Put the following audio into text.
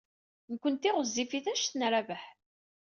Nekkenti ɣezzifit anect n Rabaḥ.